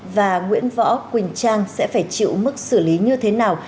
và nguyễn võ quỳnh trang sẽ phải chịu mức xử lý như thế nào